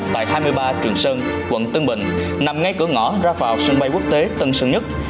tại hai mươi ba trường sơn quận tân bình nằm ngay cửa ngõ ra vào sân bay quốc tế tân sơn nhất